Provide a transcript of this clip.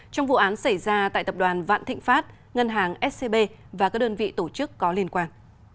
trong vụ án xảy ra tại tập đoàn vạn thịnh pháp ngân hàng scb và các đơn vị tổ chức có liên quan